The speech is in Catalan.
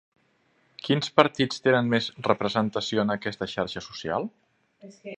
Quins partits tenen més representació en aquesta xarxa social?